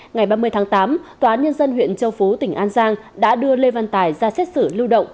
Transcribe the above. ngày ba mươi tháng tám tòa nhân dân huyện châu phú tỉnh an giang đã đưa lê văn tài ra xét xử lưu động